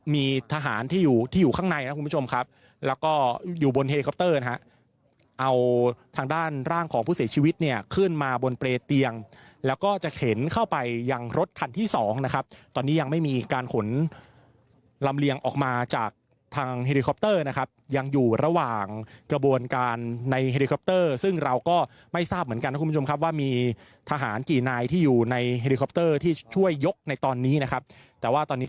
มีทหารที่อยู่ที่อยู่ข้างในนะคุณผู้ชมครับแล้วก็อยู่บนนะฮะเอาทางด้านร่างของผู้เสียชีวิตเนี่ยขึ้นมาบนเปรตเตียงแล้วก็จะเข็นเข้าไปอย่างรถถัดที่สองนะครับตอนนี้ยังไม่มีการขนลำเลียงออกมาจากทางนะครับยังอยู่ระหว่างกระบวนการในซึ่งเราก็ไม่ทราบเหมือนกันนะคุณผู้ชมครับว่ามีทหารกี่นายที่อยู่ในที่ช่วยยกในต